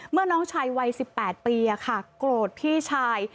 เมื่อน้องชายวัย๑๘ปีค่ะกรดพี่ชาย